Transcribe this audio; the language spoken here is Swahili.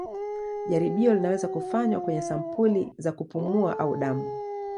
Jaribio linaweza kufanywa kwenye sampuli za kupumua au damu.